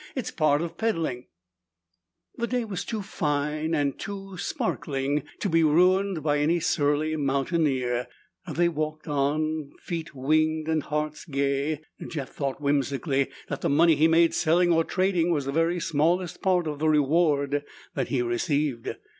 "It's part of peddling." The day was too fine, and too sparkling, to be ruined by any surly mountaineer. They walked on, feet winged and hearts gay. Jeff thought whimsically that the money he made selling or trading was the very smallest part of the reward he received.